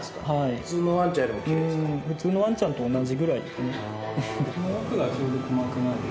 普通のワンちゃんと同じぐらい。